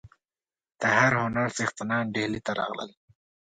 د هر هنر څښتنان ډهلي ته راغلل.